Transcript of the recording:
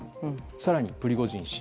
更にプリゴジン氏